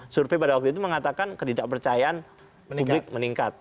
survei pada waktu itu mengatakan ketidakpercayaan publik meningkat